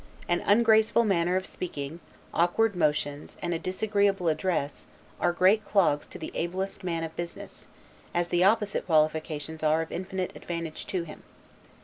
An ungraceful manner of speaking, awkward motions, and a disagreeable address, are great clogs to the ablest man of business, as the opposite qualifications are of infinite advantage to him.